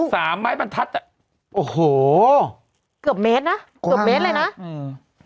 ไม้บรรทัดอ่ะโอ้โหเกือบเมตรนะเกือบเมตรเลยนะอืม